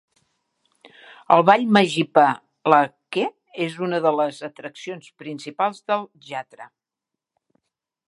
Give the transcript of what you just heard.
El ball Majipa Lakhe és una de les atraccions principals del jatra.